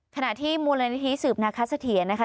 ขณะที่มูลนิธิสืบนักค้าเสถียรนะคะ